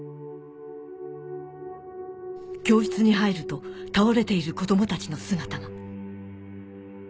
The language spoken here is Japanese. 「教室に入ると倒れている子どもたちの姿が」